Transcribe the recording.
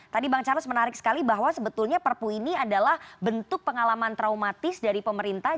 tadi bang charles menarik sekali bahwa sebetulnya perpu ini adalah bentuk pengalaman traumatis dari pemerintah